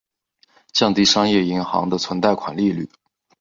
降低商业银行的存贷款利率。